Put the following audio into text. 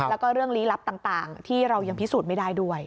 แล้วก็เรื่องลี้ลับต่างที่เรายังพิสูจน์ไม่ได้ด้วย